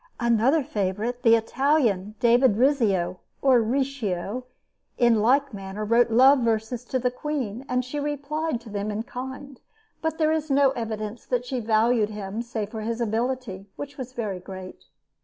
Another favorite, the Italian, David Rizzio, or Riccio, in like manner wrote love verses to the queen, and she replied to them in kind; but there is no evidence that she valued him save for his ability, which was very great.